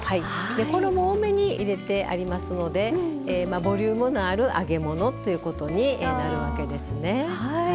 衣、多めに入れてありますのでボリュームのある揚げ物ということになるわけですね。